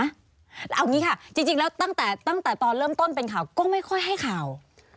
เอาอย่างนี้ค่ะจริงแล้วตั้งแต่ตอนเริ่มต้นเป็นข่าวก็ไม่ค่อยให้ข่าว